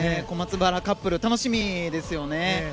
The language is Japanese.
小松原カップル楽しみですよね。